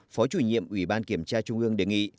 phó chủ nhiệm ủy ban kiểm tra trung ương đề nghị